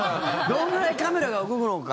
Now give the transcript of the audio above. どのぐらいカメラが動くのか。